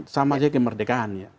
sama saja kemerdekaan